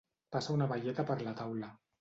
Passa una baieta per la taula.